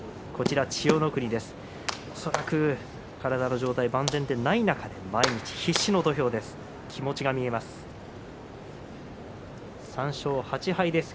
千代の国、恐らく体の状態が万全でない中で毎日必死の土俵です。